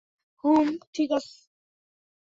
হুমম ঠিক আছে।